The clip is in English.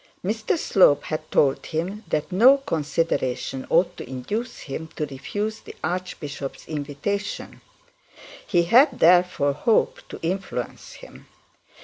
Mr Slope had told him that no consideration ought to induce him to refuse the archbishop's invitation; he had therefore hoped to influence him.